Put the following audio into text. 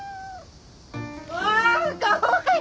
わあかわいい！